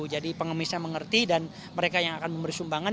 jadi pengemisnya mengerti dan mereka yang akan memberi sumbangan